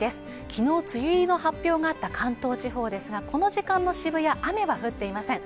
きのう梅雨入りの発表があった関東地方ですがこの時間の渋谷雨は降っていません